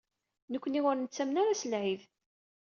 Nekni ur nettamen ara s lɛid.